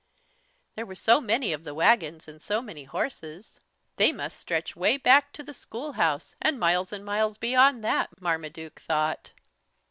There were so many of the wagons and so many horses. They must stretch way back to the school house, and miles and miles beyond that, Marmaduke thought.